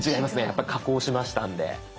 やっぱ加工しましたんで。